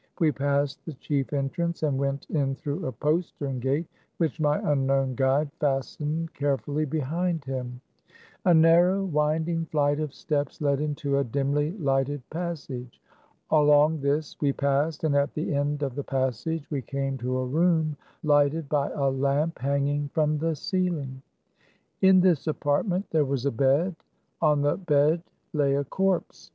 We passed the chief entrance, and went in through a postern gate, which my unknown guide fastened carefully behind him. A narrow, winding flight of steps led into a dimly lighted passage. Along this we passed, and at the end of the passage we came to a room lighted by a lamp hanging from the ceiling. In this apartment there was a bed. On the bed lay a corpse.